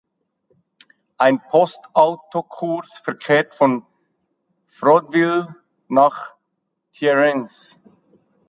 Ein Postautokurs verkehrt von Froideville nach Thierrens.